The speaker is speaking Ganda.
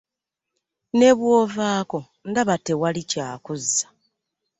Ne bw'ovaako ndaba tewali kya kuzza.